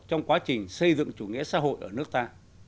trong quá trình xây dựng chủ nghĩa xã hội ở nước ta